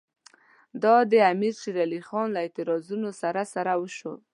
دا د امیر شېر علي خان له اعتراضونو سره سره وشوه.